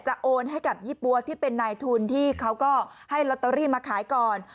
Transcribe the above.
โอนให้กับยี่ปั๊วที่เป็นนายทุนที่เขาก็ให้ลอตเตอรี่มาขายก่อน